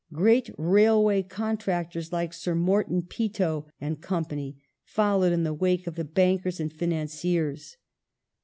Great railway contractors like Sir Morton Peto & The Co. followed in the wake of the bankers and financiers.